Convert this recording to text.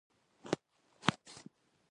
دیوه ځوان شپونکي له دروي څخه